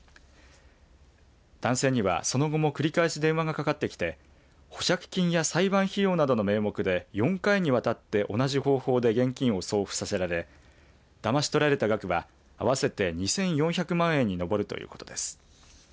男性には、その後も繰り返し電話がかかってきて保釈金や裁判費用などの名目で４回にわたって同じ方法で現金を送付させられだまし取られた額は合わせて２４００万円に上るということです。